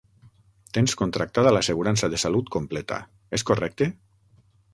Tens contractada l'assegurança de salut completa, és correcte?